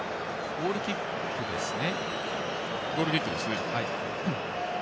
ゴールキックですね。